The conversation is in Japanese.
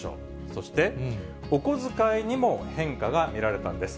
そして、お小遣いにも変化が見られたんです。